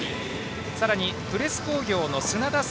さらに、プレス工業の砂田晟